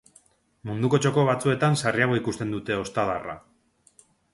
Munduko txoko batzuetan sarriago ikusten dute ostadarra.